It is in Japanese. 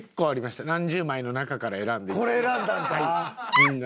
みんなで。